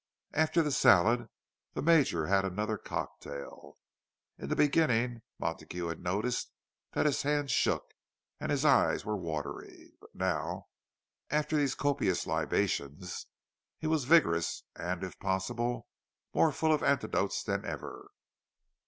After the salad the Major had another cocktail. In the beginning Montague had noticed that his hands shook and his eyes were watery; but now, after these copious libations, he was vigorous, and, if possible, more full of anecdotes than ever.